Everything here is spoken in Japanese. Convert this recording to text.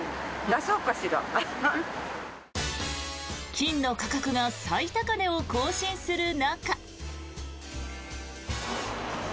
金の価格が最高値を更新する中。